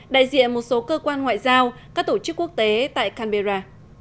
đại diện một số cơ quan ngoại giao các tổ chức quốc tế tại canberra